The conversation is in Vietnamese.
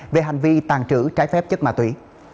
về hành vi tàn trữ trái phép chất ma túy